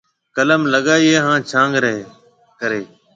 قلم لگائيَ ھيََََ ھان ڇانگ ڪرَي ھيََََ